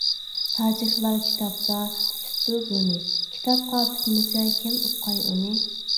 تاجىكلار كىتابتا پۈتۈپتۇ بۇنى، كىتابقا پۈتمىسە كىم ئۇققاي ئۇنى.